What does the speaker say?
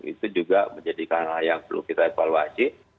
itu juga menjadikan hal yang perlu kita evaluasi